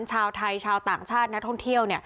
ชาวไทยชาวต่างชาตินักท่องเที่ยว